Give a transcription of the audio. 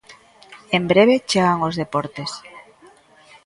En breve chegan os deportes.